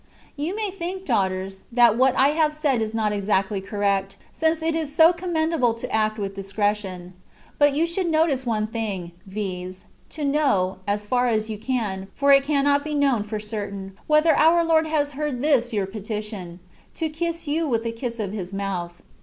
You may think, daughters, that what I have said is not exactly correct, since it is so commend able to act with discretion. But you should notice one tlung, viz., to know (as far as you can, for it cannot be known for certain) whether our Lord has heard this your petition, ''to kiss you with the kiss of His mouth.''